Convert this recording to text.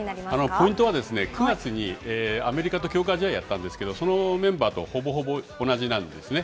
ポイントは、９月にアメリカと強化試合をやったんですけど、そのメンバーとほぼほぼ同じなんですね。